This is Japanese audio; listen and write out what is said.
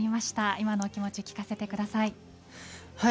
今のお気持ち聞かせてください。